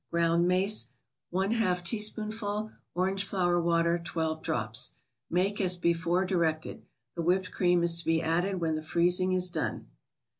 Ground mace, Yz teaspoonful Orange flower water, 12 drops. Make as before directed. The whipped cream is to be added when the freezing is done.